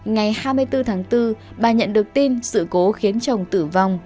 ngày hai mươi bốn tháng bốn bà nhận được tin sự cố khiến chồng tử vong